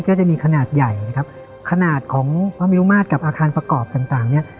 ก็จะมีขนาดใหญ่นะครับขนาดของพระมิรุมาตรกับอาคารประกอบต่างต่างเนี้ย